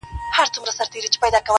د خیراتونو یې په غوښو غریبان ماړه وه؛